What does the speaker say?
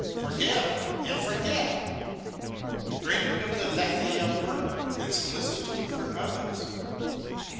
Forgive and forget I Drink of the lethe of work and solicitude for others